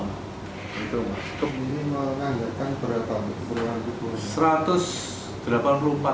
ini menganggarkan berapa